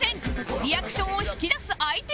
リアクションを引き出す相手は